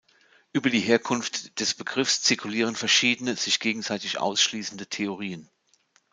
Über die Herkunft des Begriffs zirkulieren verschiedene, sich gegenseitig ausschließende Theorien.